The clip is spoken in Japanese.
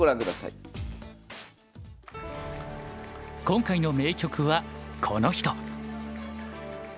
今回の名局はこの人。